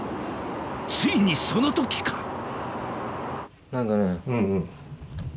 ついにその時か⁉何かね。